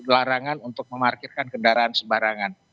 larangan untuk memarkirkan kendaraan sembarangan